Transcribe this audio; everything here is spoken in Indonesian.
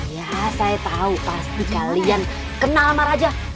ya saya tau pasti kalian kenal sama raja